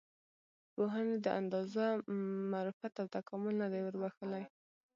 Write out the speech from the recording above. پوهنې دا اندازه معرفت او تکامل نه دی وربښلی.